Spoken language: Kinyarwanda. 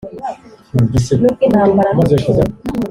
nubwo intambara, n'urupfu! "